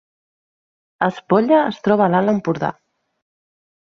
Espolla es troba a l’Alt Empordà